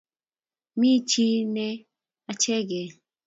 Mi chi ne acheng’e